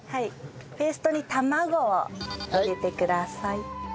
ペーストに卵を入れてください。